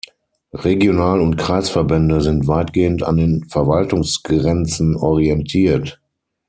Regional- und Kreisverbände sind weitgehend an den Verwaltungsgrenzen orientiert.